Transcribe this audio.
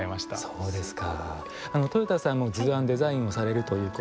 そうですか。